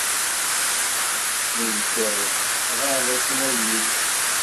Neytat tɣab akken ad yili.